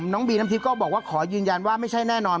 น้องบีน้ำทิพย์ก็บอกว่าขอยืนยันว่าไม่ใช่แน่นอน